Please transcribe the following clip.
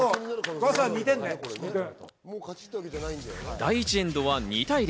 第１エンドは２対０。